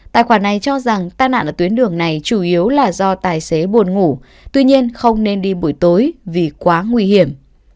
tài khoản này cho rằng tai nạn ở tuyến đường này chủ yếu là do tài xế buồn ngủ tuy nhiên không nên đi buổi tối vì quá nguy hiểm